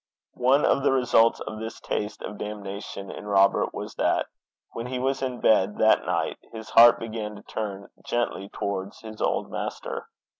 One of the results of this taste of damnation in Robert was, that when he was in bed that night, his heart began to turn gently towards his old master.